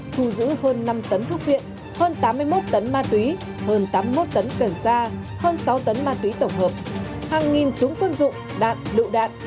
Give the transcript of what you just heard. thu giữ hơn năm tấn thuốc viện hơn tám mươi một tấn ma túy hơn tám mươi một tấn cần sa hơn sáu tấn ma túy tổng hợp hàng nghìn súng quân dụng đạn lựu đạn